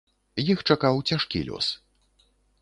Іх чакаў цяжкі лёс.